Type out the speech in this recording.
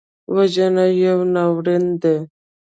وژنه یو ناورین دی